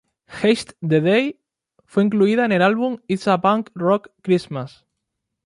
Haste the Day fue incluida en el álbum "It's a Punk Rock Christmas".